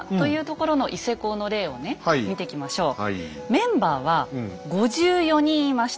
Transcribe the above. メンバーは５４人いました。